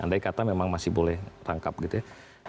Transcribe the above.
andai kata memang masih boleh rangkap gitu ya